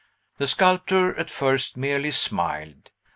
The sculptor at first merely smiled.